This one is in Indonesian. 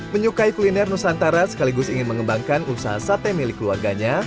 menyukai kuliner nusantara sekaligus ingin mengembangkan usaha sate milik keluarganya